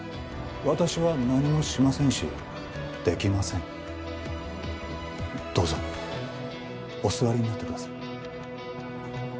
私は何もしませんしできませんどうぞお座りになってください